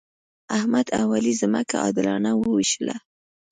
احمد او علي ځمکه عادلانه وویشله.